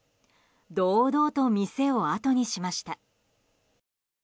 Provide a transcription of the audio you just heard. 堂々と店をあとにしました。